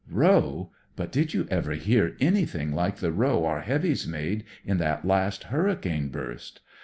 "Row! But did you ever hear any thing like the row our heavies made in that last hurricane burst